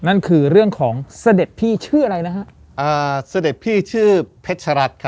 นั่นคือเรื่องของเสด็จพี่ชื่ออะไรนะฮะอ่าเสด็จพี่ชื่อเพชรัตน์ครับ